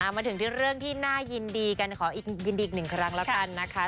มาถึงที่เรื่องที่น่ายินดีกันขอยินดีอีกหนึ่งครั้งแล้วกันนะคะ